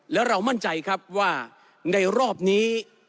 แล้วเรามั่นใจครับว่าในรอบนี้